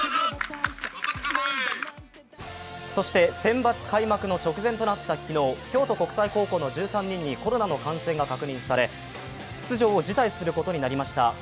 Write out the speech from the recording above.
そしてセンバツ開幕の直前となった昨日、京都国際高校の１３人にコロナの感染が拡大され出場を辞退することになりました。